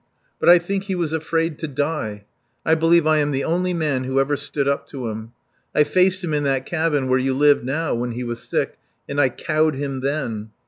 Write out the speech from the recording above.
But I think he was afraid to die. I believe I am the only man who ever stood up to him. I faced him in that cabin where you live now, when he was sick, and I cowed him then.